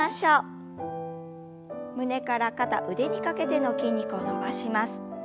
胸から肩腕にかけての筋肉を伸ばします。